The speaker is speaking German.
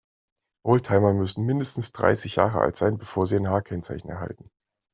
Oldtimer müssen mindestens dreißig Jahre alt sein, bevor sie ein H-Kennzeichen erhalten.